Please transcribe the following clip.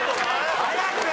早く！